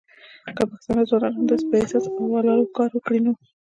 که پښتانه ځوانان همداسې په احساس او ولولو کار وکړی نو